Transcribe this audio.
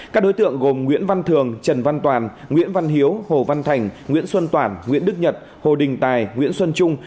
các đối tượng gồm nguyễn văn thường trần văn toàn nguyễn văn hiếu hồ văn thành nguyễn xuân toàn nguyễn đức nhật hồ đình tài nguyễn xuân trung